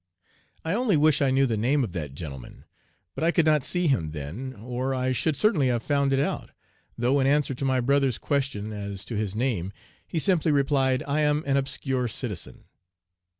"I only wish I knew the name of that gentleman; but I could not see him then, or I should certainly have found it out, though in answer to my brother's question as to his name, he simply replied, 'I am an obscure citizen.'